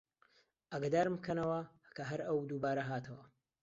ئاگەدارم بکەنەوە هەر کە ئەو دووبارە هاتەوە